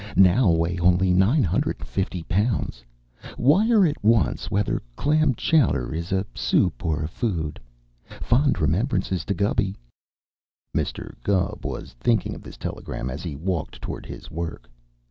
Now weigh only nine hundred and fifty pounds. Wire at once whether clam chowder is a soup or a food. Fond remembrances to Gubby. Mr. Gubb was thinking of this telegram as he walked toward his work.